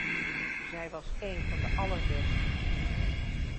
Zij was een van de allerbesten.